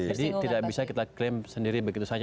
jadi tidak bisa kita klaim sendiri begitu saja